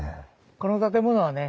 この建物はね